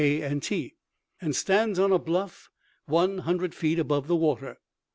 K. and T.) and stands on a bluff 100 feet above the water.